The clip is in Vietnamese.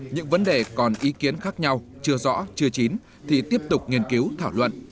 những vấn đề còn ý kiến khác nhau chưa rõ chưa chín thì tiếp tục nghiên cứu thảo luận